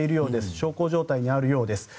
小康状態にあるようです。